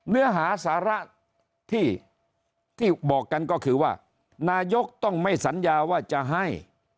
เนื้อหาสาระที่บอกกันก็คือว่านายกต้องไม่สัญญาว่าจะให้